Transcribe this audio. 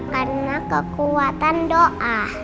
karena kekuatan doa